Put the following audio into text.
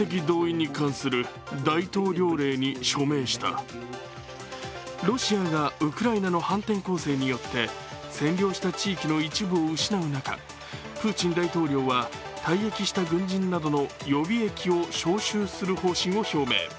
更にロシアがウクライナの反転攻勢によって占領した地域の一部を失う中プーチン大統領は、退役した軍人などの予備役を招集する方針を表明。